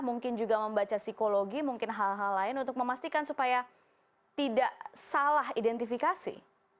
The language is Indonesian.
mungkin juga membaca psikologi mungkin hal hal lain untuk memastikan supaya tidak salah identifikasi